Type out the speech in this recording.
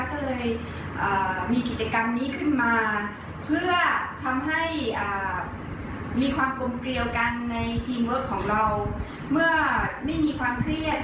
เมื่อไม่มีความเครียดความกลมเกลียวก็จะเกิดประสิทธิผล